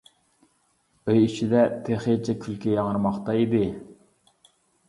ئۆي ئىچىدە تېخىچە كۈلكە ياڭرىماقتا ئىدى.